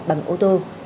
bằng ô tô